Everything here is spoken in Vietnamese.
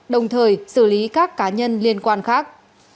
đồng thời xử lý các cá nhân liên quan khác